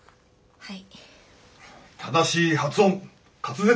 はい。